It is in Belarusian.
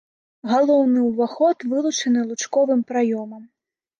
Галоўны ўваход вылучаны лучковым праёмам.